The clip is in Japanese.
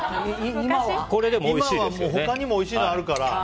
今は他にもおいしいのあるから。